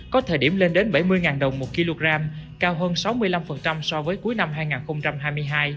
có thời điểm lên đến bảy mươi đồng một kg cao hơn sáu mươi năm so với cuối năm hai nghìn hai mươi hai